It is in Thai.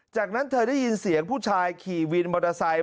จากนั้นเธอได้ยินเสียงผู้ชายขี่วินมอเตอร์ไซค์